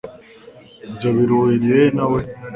Ibyo bihuriye he nawe